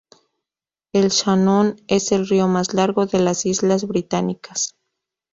El Shannon es el río más largo de las Islas Británicas.